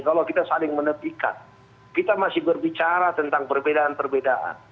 kalau kita saling menepikan kita masih berbicara tentang perbedaan perbedaan